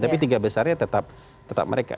tapi tiga besarnya tetap mereka